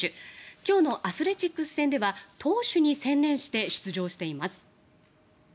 今日のアスレチックス戦では投手に専念して出場しています。